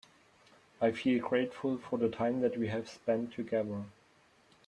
I feel grateful for the time that we have spend together.